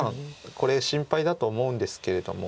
これ心配だと思うんですけれども。